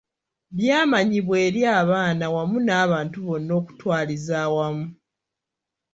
Byamanyibwa eri abaana wamu n’abantu bonna okutwaliza awamu.